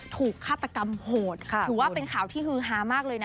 ฆาตกรรมโหดถือว่าเป็นข่าวที่ฮือฮามากเลยนะ